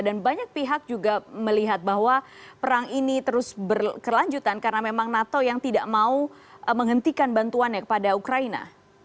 dan banyak pihak juga melihat bahwa perang ini terus berkelanjutan karena memang nato yang tidak mau menghentikan bantuannya kepada ukraina